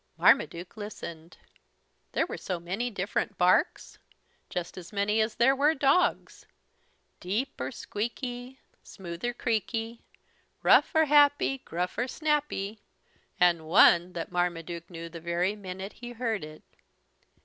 Marmaduke listened. There were so many different barks! Just as many as there were dogs, deep or squeaky, smooth or creaky, rough or happy, gruff or snappy, and one that Marmaduke knew the very minute he heard it.